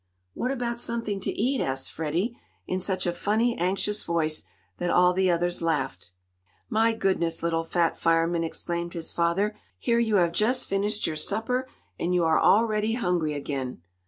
"What about something to eat?" asked Freddie, in such a funny, anxious voice, that all the others laughed. "My goodness, little fat fireman!" exclaimed his father. "Here you have just finished your supper, and you are already hungry again."